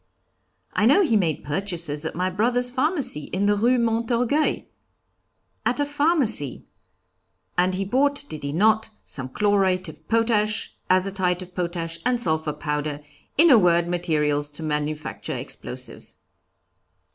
'I know he made purchases at my brother's pharmacy in the Rue Montorgueil.' 'At a pharmacy! and he bought, did he not, some chlorate of potash, azotite of potash, and sulphur powder; in a word, materials to manufacture explosives.'